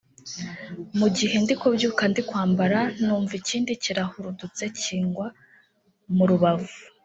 mu gihe ndi kubyuka ndi kwambara numva ikindi kirahurudutse kingwa mu rubavu